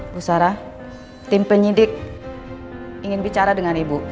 bu sarah tim penyidik ingin bicara dengan ibu